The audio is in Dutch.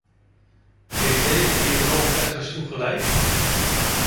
Heeft deze dialoog ergens toe geleid?